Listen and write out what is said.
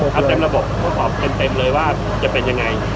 เพื่อเอาเต็มระบบเพื่อตอบเต็มเลยว่าจะเป็นยังไง